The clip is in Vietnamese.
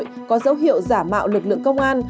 có dấu hiệu giả mạo lực lượng công an